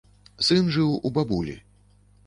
Сын жыў у бабулі.